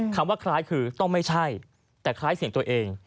คำว่าคล้ายคือต้องไม่ใช่แต่คล้ายเสียงตัวเอง